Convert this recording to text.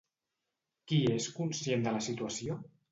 Qui és conscient de la situació?